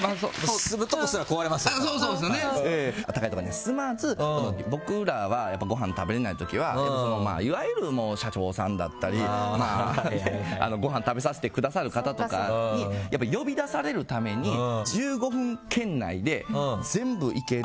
高いところには住まず僕らはやっぱりごはん食べられない時はやっぱりいわゆる社長さんだったりごはんを食べさせてくださる方とかに呼び出されるために１５分圏内で全部行ける。